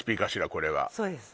これはそうです